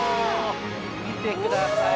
見てください